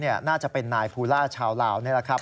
คนร้ายน่าจะเป็นนายภูราชาวลาวนี่แหละครับ